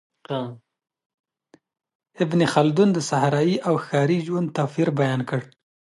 ابن خلدون د صحرایي او ښاري ژوند توپیر بیان کړ.